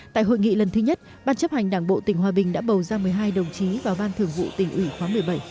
tại hội nghị lần thứ nhất ban chấp hành đảng bộ tỉnh hòa bình đã bầu ra một mươi hai đồng chí vào ban thường vụ tỉnh ủy khóa một mươi bảy